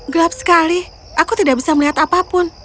gelap sekali aku tidak bisa melihat apapun